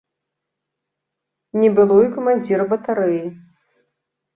Не было і камандзіра батарэі.